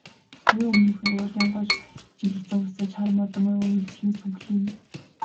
Төвийн өмнөхнүүр уулын гол жирэлзэн урсаж, хар модон ой үргэлжлэн сүглийнэ.